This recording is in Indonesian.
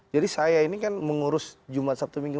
jadi saya ini kan mengurus jumat sabtu minggu